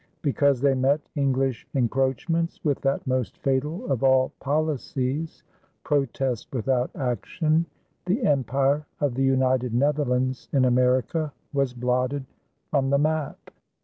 Because they met English encroachments with that most fatal of all policies, protest without action, the Empire of the United Netherlands in America was blotted from the map.